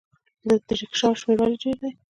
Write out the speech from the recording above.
د ریکشاوو شمیر ولې ډیر دی؟